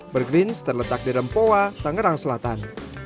bergrins terletak di rempowa tangerang selatan